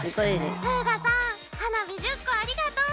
「フーガさん花火１０個ありがとう。